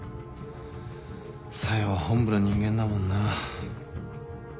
小夜は本部の人間だもんな。